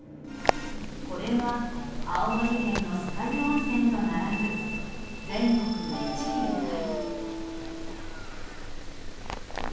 これは青森県の酸ヶ湯温泉と並ぶ全国１位タイ。